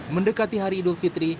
mendekati hari idul fitri